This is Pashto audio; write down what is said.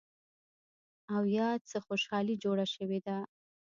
او يا څه خوشحالي جوړه شوې ده